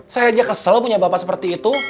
saya saja kesal punya bapak seperti itu